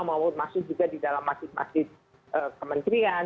maksudnya juga di dalam masjid masjid kementerian